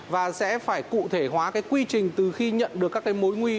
và sẽ phải cụ thể hóa cái quy trình từ khi nhận được các cái mối nguy